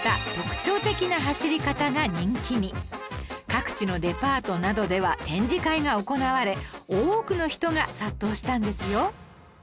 各地のデパートなどでは展示会が行われ多くの人が殺到したんですよ